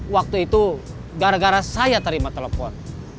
waktu itu gara gara saya terima telepon